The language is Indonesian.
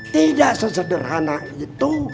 tidak sesederhana itu